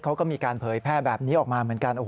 เขาก็มีการเผยแพร่แบบนี้ออกมาเหมือนกัน